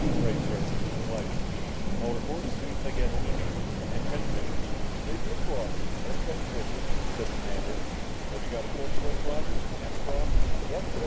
"Right, sir," replied Steve. "I'll report as soon as I get any news. End transmission!" "Spaceman's luck, end transmission!" said the commander. "Have you got a course for us, Roger?" asked Strong.